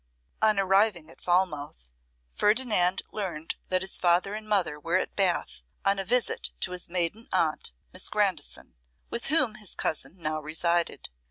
On arriving at Falmouth, Ferdinand learnt that his father and mother were at Bath, on a visit to his maiden aunt, Miss Grandison, with whom his cousin now resided.